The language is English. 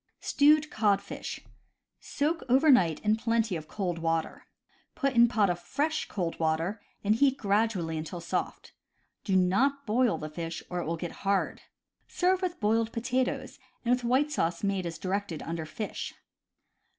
Stewed Codfish. — Soak over night in plenty of cold water. Put in pot of fresh, cold water, and heat grad ually until soft. Do not boil the fish or it will get hard. Serve with boiled potatoes, and with white sauce made as directed under Fish.